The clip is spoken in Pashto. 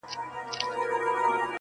د یوې ورځي لګښت خواست یې ترې وکړ!.